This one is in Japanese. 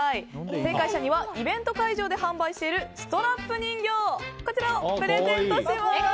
正解者にはイベント会場で販売しているストラップ人形をプレゼントします。